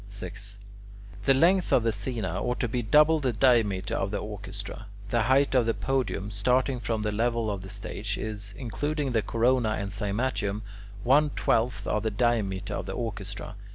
6. The length of the "scaena" ought to be double the diameter of the orchestra. The height of the podium, starting from the level of the stage, is, including the corona and cymatium, one twelfth of the diameter of the orchestra.